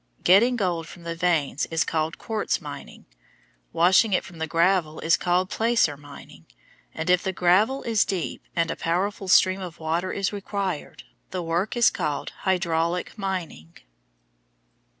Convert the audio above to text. Getting gold from the veins is called quartz mining. Washing it from the gravel is called placer mining; and if the gravel is deep and a powerful stream of water is required, the work is called hydraulic mining. [Illustration: FIG.